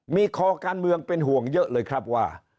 มีคอการเมืองเป็นห่วงเยอะเลยครับว่า